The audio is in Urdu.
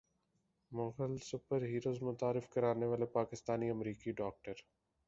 مغل سپر ہیروز متعارف کرانے والے پاکستانی امریکی ڈاکٹر